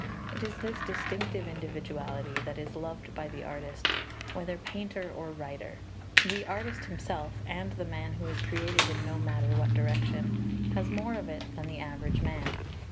It is this distinctive individuality that is loved by the artist, whether painter or writer. The artist himself, and the man who is creative in no matter what direction, has more of it than the average man.